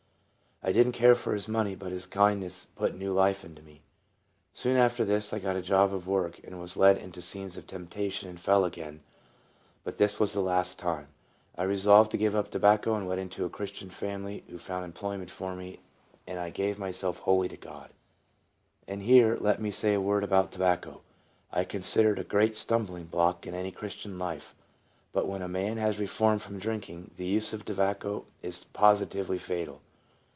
I did n't care for his money, but his kindness put new life into me. Soon after this I got a job of work, was led into scenes of temptation, and fell again. But this was the last time. I resolved to give up tobacco went into a Christian family who WORK FOR THE MASTER. 61 found employment for me, and I gave myself wholly to God. And here let me say a word about tobacco. I consider it a great stumbling block in any Christian's life ; but when a man has reformed from drinking, the use of tobacco is positively fatal.